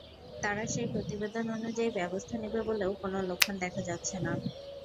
তারা সেই প্রতিবেদন অনুযায়ী ব্যবস্থা নেবে বলেও কোনো লক্ষণ দেখা যাচ্ছে না।